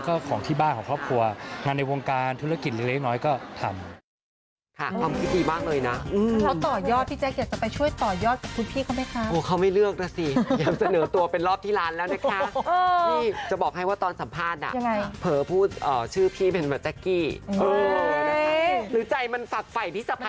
ก็ของที่บ้านของครอบครัวงานในวงการธุรกิจเล็กน้อยก็ทำ